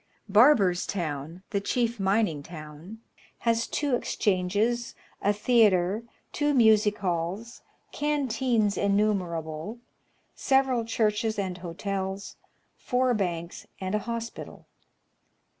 Bai'berstown, the chief mining town, has two ex changes, a theatre, two music halls, canteens innumerable, several churches and hotels, four banks, and a hospital.